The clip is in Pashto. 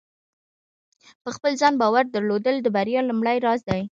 په خپل ځان باور درلودل د بریا لومړۍ راز دی.